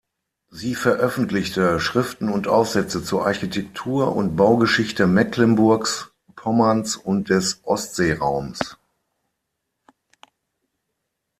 Sie veröffentlichte Schriften und Aufsätze zur Architektur- und Baugeschichte Mecklenburgs, Pommerns und des Ostseeraums.